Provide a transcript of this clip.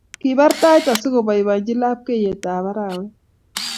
kibar tait asi koboibochi lapkeyetab arawe?